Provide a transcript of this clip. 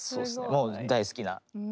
もう大好きな。